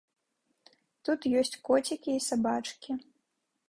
Тут ёсць коцікі і сабачкі.